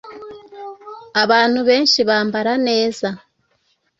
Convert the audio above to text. Abantu benshi bambara neza